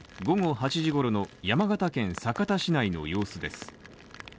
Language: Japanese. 午後８時ごろの山形県酒田市の様子です。